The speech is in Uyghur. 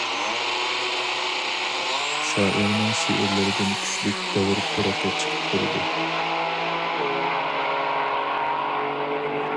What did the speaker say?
شائىرنىڭ شېئىرلىرىدىن كۈچلۈك دەۋر پۇرىقى چىقىپ تۇرىدۇ.